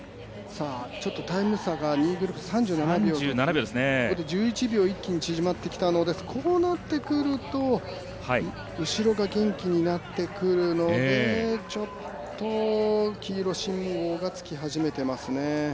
ちょっとタイム差が２位グループ３７秒ですので１１秒一気に縮まってきたのでこうなってくると後ろが元気になってくるのでちょっと黄色信号がつき始めてますね。